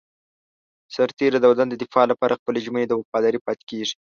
سرتېری د وطن د دفاع لپاره خپلې ژمنې ته وفادار پاتې کېږي.